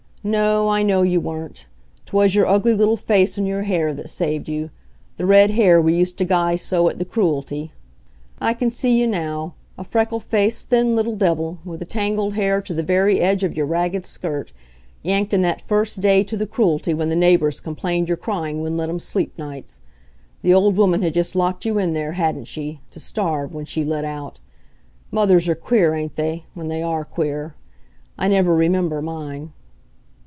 No, I know you weren't. 'Twas your ugly little face and your hair that saved you the red hair we used to guy so at the Cruelty. I can see you now a freckle faced, thin little devil, with the tangled hair to the very edge of your ragged skirt, yanked in that first day to the Cruelty when the neighbors complained your crying wouldn't let 'em sleep nights. The old woman had just locked you in there, hadn't she, to starve when she lit out. Mothers are queer, ain't they, when they are queer. I never remember mine.